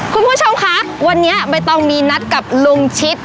คุณผู้ชมคะวันนี้ใบตองมีนัดกับลุงชิด